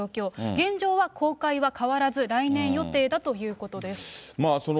現状は公開は変わらず、来年予定だということです。